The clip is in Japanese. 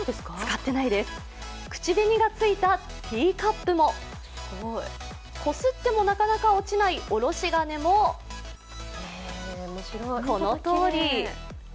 口紅がついたティーカップもこすってもなかなか落ちないおろし金も、このとおり。